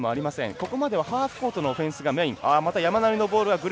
ここまでハーフコートのオフェンスがメインです。